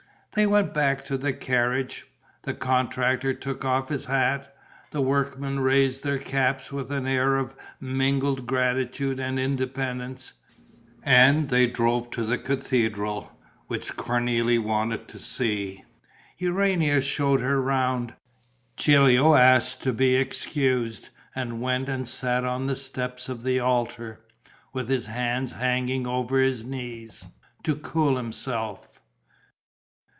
They went back to the carriage; the contractor took off his hat, the workmen raised their caps with an air of mingled gratitude and independence. And they drove to the cathedral, which Cornélie wanted to see. Urania showed her round. Gilio asked to be excused and went and sat on the steps of the altar, with his hands hanging over his knees, to cool himself.